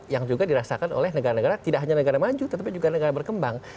yang juga dirasakan oleh negara negara tidak hanya negara maju tapi juga negara berkembang